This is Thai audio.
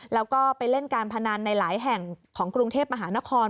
แล้วก็ไปเล่นการพนันในหลายแห่งของกรุงเทพมหานคร